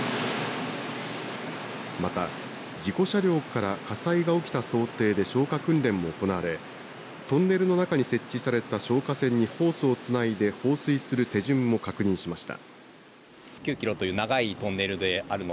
また事故車両から火災が起きた想定で消火訓練も行われトンネルの中に設置された消火栓にホースをつないで放水する手順も確認しました。